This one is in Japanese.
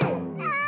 あ！